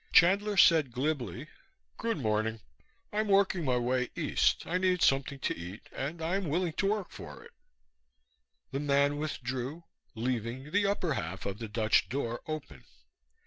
Chandler said glibly: "Good morning. I'm working my way east. I need something to eat and I'm willing to work for it." The man withdrew, leaving the upper half of the Dutch door open.